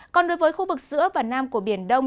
còn đối với khu vực giữa và nam của biển đông